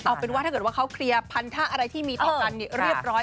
เอาเป็นว่าถ้าเกิดว่าเขาเคลียร์พันธะอะไรที่มีต่อกันเรียบร้อย